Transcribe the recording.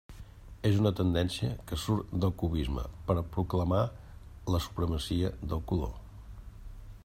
És una tendència que surt del cubisme per a proclamar la supremacia del color.